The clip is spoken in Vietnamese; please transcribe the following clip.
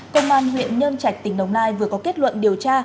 công an huyện nhân trạch tỉnh đồng nai vừa có kết luận điều tra